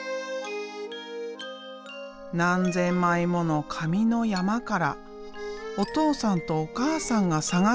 何千枚もの紙の山からお父さんとお母さんが探し出した。